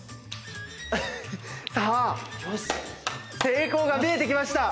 成功が見えてきました。